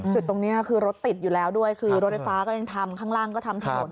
จุดตรงนี้คือรถติดอยู่แล้วด้วยคือรถไฟฟ้าก็ยังทำข้างล่างก็ทำถนน